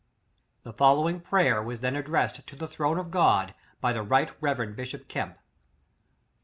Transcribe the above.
The following prayer, was then ad dressed to the Throne of God, by the right reverend bishop Kemp.